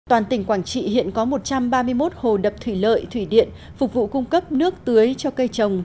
toàn tỉnh quảng trị hiện có một trăm ba mươi một hồ đập thủy lợi thủy điện phục vụ cung cấp nước tưới cho cây trồng